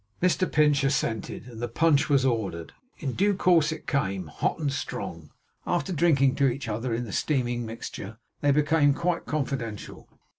Mr Pinch assented, and the punch was ordered. In due course it came; hot and strong. After drinking to each other in the steaming mixture, they became quite confidential.